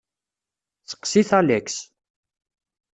Seqsit Alex.